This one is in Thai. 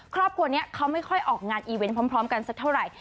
ครอบครัวนี้เขาไม่ค่อยออกงานอีเวนต์พร้อมกันสักเท่าไหร่